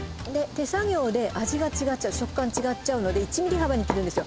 手作業で味が違っちゃう食感違っちゃうので１ミリ幅に切るんですよ